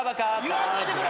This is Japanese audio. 言わんといてくれ！